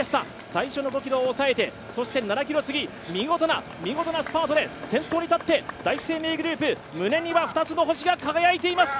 最初の５ｋｍを押さえて７ｋｍ過ぎ、見事なスパートで先頭に立って第一生命グループ胸には２つの星が輝いています。